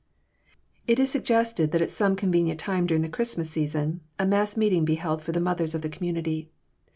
It is suggested that at some convenient time during the Christmas season a mass meeting be held for the mothers of the community.